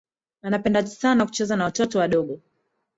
Anapenda sana kucheza na watoto wdogo